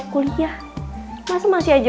kuliah masa masih aja